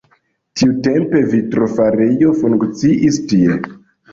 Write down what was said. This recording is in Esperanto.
Tiutempe vitrofarejo funkciis tie.